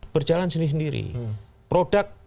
berjalan sendiri sendiri produk